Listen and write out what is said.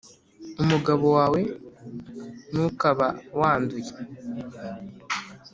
umugabo wawe nukaba wanduye